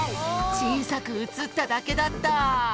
ちいさくうつっただけだった。